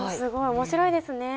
面白いですね。